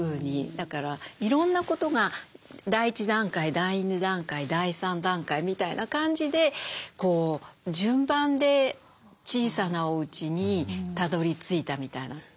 だからいろんなことが第１段階第２段階第３段階みたいな感じで順番で小さなおうちにたどりついたみたいな。